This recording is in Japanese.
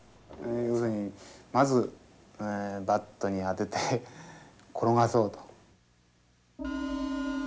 要するにまずバットに当てて転がそうと。